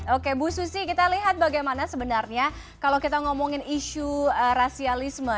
oke bu susi kita lihat bagaimana sebenarnya kalau kita ngomongin isu rasialisme